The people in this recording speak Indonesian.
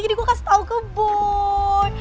jadi gue kasih tau ke boy